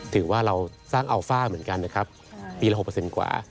ถือว่าเราสร้างอัลฟ่าเหมือนกันนะครับปีละ๖กว่า